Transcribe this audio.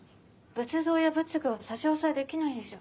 仏像や仏具は差し押さえできないんじゃ。